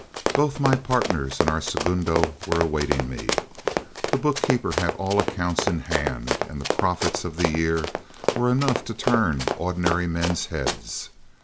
Both my partners and our segundo were awaiting me, the bookkeeper had all accounts in hand, and the profits of the year were enough to turn ordinary men's heads.